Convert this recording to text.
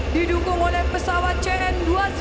didukung oleh pesawat cn dua ratus sembilan puluh lima